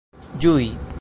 ĝui